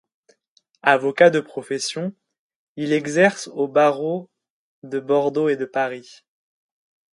Avocat de profession, il exerce aux barreaux de Bordeaux et de Paris.